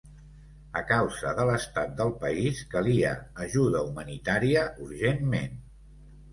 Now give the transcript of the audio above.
A causa de l'estat del país, calia ajuda humanitària urgentment.